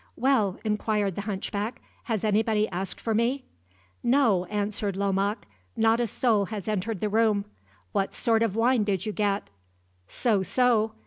"Well," inquired the hunchback, "has anybody asked for me?" "No," answered Lomaque; "not a soul has entered the room. What sort of wine did you get?" "So so!